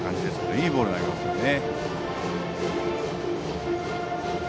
いいボールを投げますね。